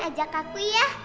ajak aku ya